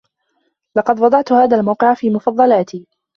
لقد وضعت هذا الموقع في مفضلاتي.